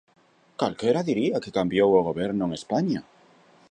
¡Calquera diría que cambiou o Goberno en España!